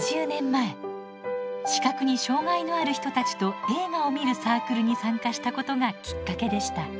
視覚に障がいのある人たちと映画を観るサークルに参加したことがきっかけでした。